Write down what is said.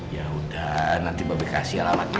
ya udah nanti babi kasih alamatnya